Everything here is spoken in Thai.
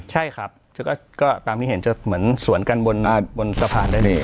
ใช่ครับก็ตามที่เห็นจะเหมือนสวนกันบนสะพานได้เลย